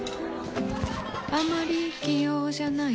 あまり器用じゃないほうです。